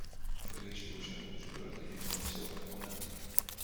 آیا هیچ فروشنده وجود دارد که لیتوانی صحبت کند؟